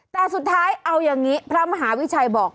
แต่สุดท้ายเอาอย่างนี้พระมหาวิชัยบอก